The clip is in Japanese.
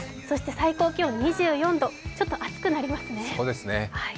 そして最高気温２４度、ちょっと暑くなりますね。